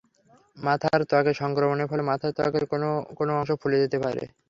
মাথার ত্বকে সংক্রমণের ফলে মাথার ত্বকের কোনো কোনো অংশ ফুলে যেতে পারে।